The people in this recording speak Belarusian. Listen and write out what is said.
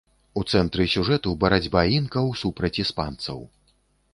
У цэнтры сюжэту барацьба інкаў супраць іспанцаў.